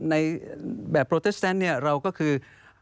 ในแบบโปรเตอร์เซนต์เนี่ยเราก็คือ